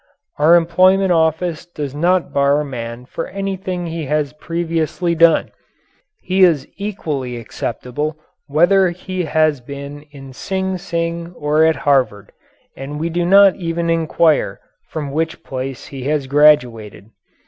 Our employment office does not bar a man for anything he has previously done he is equally acceptable whether he has been in Sing Sing or at Harvard and we do not even inquire from which place he has graduated.